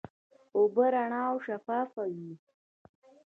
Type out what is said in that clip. اوبه رڼا او شفافه وي.